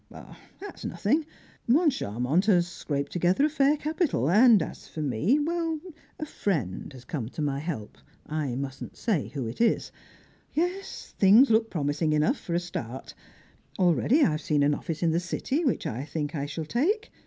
"Oh, that's nothing. Moncharmont has scraped together a fair capital, and as for me, well, a friend has come to my help, I mustn't say who it is. Yes, things look promising enough, for a start. Already I've seen an office in the City, which I think I shall take.